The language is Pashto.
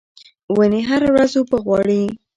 ونې هره ورځ اوبه غواړي.